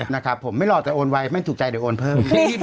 นะครับผมไม่หลอกแต่โอนไวไม่ถูกใจเดี๋ยวโอนเพิ่ม